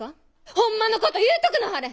ほんまのこと言うとくなはれ！